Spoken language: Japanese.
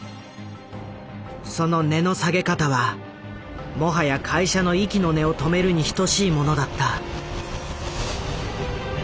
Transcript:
その値の下げ方はもはや会社の息の根を止めるに等しいものだった。